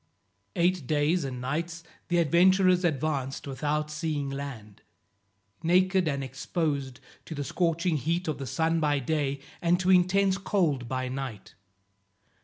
Eight days and nights the adventurers advanced without seeing land; naked and exposed to the scorching heat of the sun by day, and to intense cold by night.